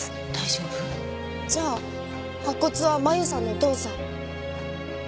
じゃあ白骨は麻由さんのお父さん？